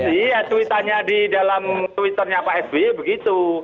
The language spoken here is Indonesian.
iya tweetannya di dalam twitternya pak sby begitu